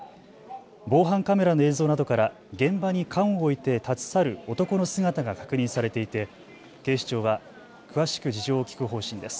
防犯カメラの映像などから現場に缶を置いて立ち去る男の姿が確認されていて、警視庁は詳しく事情を聴く方針です。